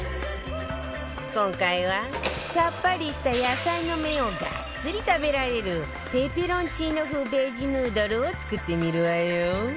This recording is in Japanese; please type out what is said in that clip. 今回はさっぱりした野菜の麺をがっつり食べられるペペロンチーノ風ベジヌードルを作ってみるわよ